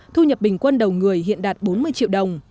thu nhập bình quân đầu người hiện đạt bốn mươi triệu đồng